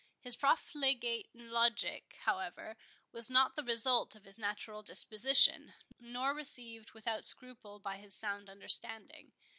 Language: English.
His profligate logic, however, was not the result of his natural disposition, nor received without scruple by his sound understanding.